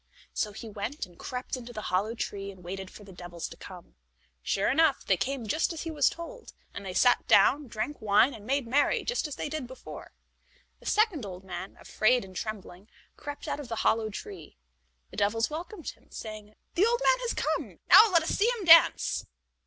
So he went and crept into the hollow tree, and waited for the devils to come. Sure enough, they came just as he was told, and they sat down, drank wine, and made merry just as they did before. The second old man, afraid and trembling, crept out of the hollow tree. The devils welcomed him, saying: "The old man has come; now let us see him dance."